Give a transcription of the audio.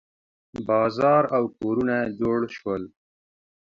بازار او کورونه جوړ شول.